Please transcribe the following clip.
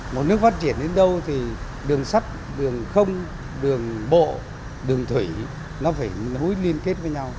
một nước phát triển đến đâu thì đường sắt đường không đường bộ đường thủy nó phải nối liên kết với nhau